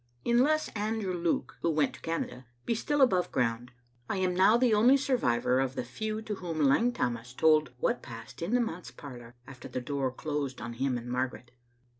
Unless Andrew Luke, who went to Canada, be still above ground, I am now the only survivor of the few to whom Lang Tammas told what passed in the manse parlor after the door closed on him and Margaret.